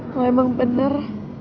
lo emang bener